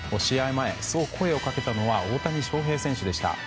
前そう声をかけたのは大谷翔平選手でした。